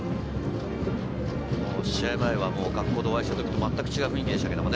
試合前は学校でお会いした時と、まったく違う雰囲気でしたけどね。